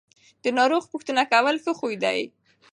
د ناروغ پوښتنه کول ښه خوی دی.